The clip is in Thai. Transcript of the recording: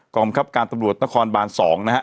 กรรมคับการตำรวจนครบาน๒นะฮะ